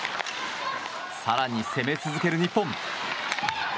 更に攻め続ける日本。